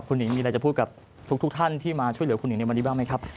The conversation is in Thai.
คุณหญิงมีอะไรจะพูดกับทุกท่านที่มาช่วยเหลือคุณหญิงในวันนี้บ้างไหมครับ